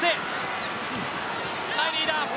ライリーだ。